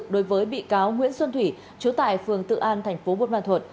đối với bị cáo nguyễn xuân thủy trú tại phường tự an thành phố bột văn thuột